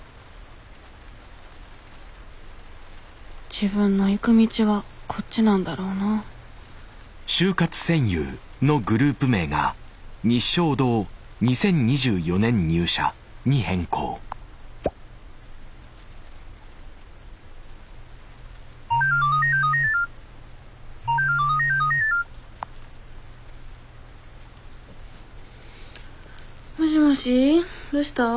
自分の行く道はこっちなんだろうなもしもしどうしたん？